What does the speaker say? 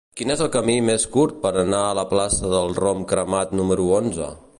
Quin és el camí més curt per anar a la plaça del Rom Cremat número onze?